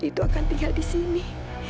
itu akan tinggal disini